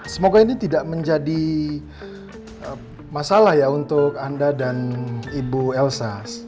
semoga ini tidak menjadi masalah ya untuk anda dan ibu elsa